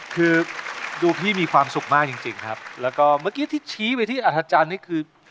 คือดูพี่มีความสุขมากจริงจริงครับแล้วก็เมื่อกี้ที่ชี้ไปที่อัธจันทร์นี่คือ